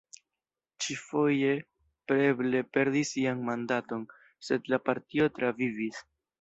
Ĉi-foje Preble perdis sian mandaton, sed la partio travivis.